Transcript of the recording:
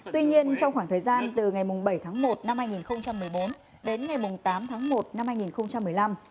tuy nhiên trong khoảng thời gian từ ngày bảy tháng một năm hai nghìn một mươi bốn đến ngày tám tháng một năm hai nghìn một mươi năm